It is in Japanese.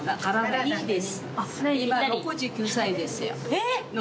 えっ！